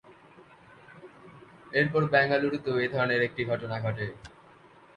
এরপর বেঙ্গালুরুতেও এ ধরনের একটি ঘটনা ঘটে।